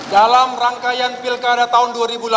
dalam rangkaian pilkada tahun dua ribu delapan belas